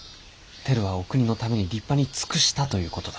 テルはお国のために立派に尽くしたという事だ。